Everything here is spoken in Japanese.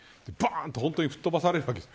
本当に吹っ飛ばされるわけです。